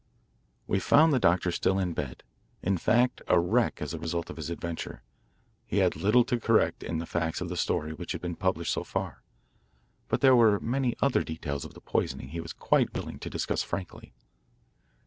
We found the doctor still in bed; in fact, a wreck as the result of his adventure. He had little to correct in the facts of the story which had been published so far. But there were many other details of the poisoning he was quite willing to discuss frankly.